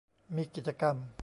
มีกิจกรรม